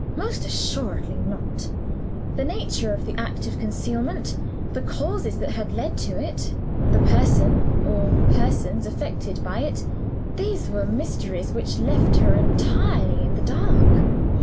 Most assuredly not! The nature of the act of concealment; the causes that had led to it; the person (or persons) affected by it these were mysteries which left her entirely in the dark.